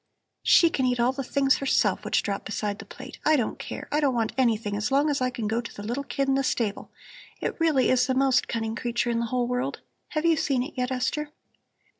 "She can eat all the things herself which drop beside the plate. I don't care. I don't want anything as long as I can go to the little kid in the stable; it really is the most cunning creature in the whole world. Have you seen it yet, Esther?"